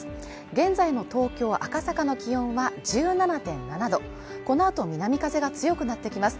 現在の東京赤坂の気温は１７．７度このあと南風が強くなってきます